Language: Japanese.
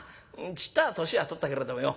ちっとは年は取ったけれどもよ